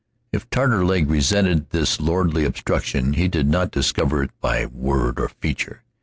If Taterleg resented this lordly obstruction, he did not discover it by word or feature.